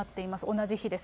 同じ日です。